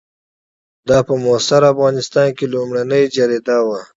دا په معاصر افغانستان کې لومړنۍ جریده وه.